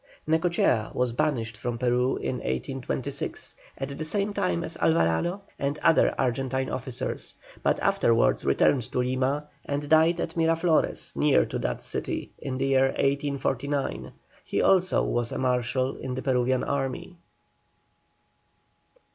NECOCHEA was banished from Peru in 1826, at the same time as Alvarado and other Argentine officers, but afterwards returned to Lima, and died at Miraflores near to that city in the year 1849. He also was a Marshal in the Peruvian army.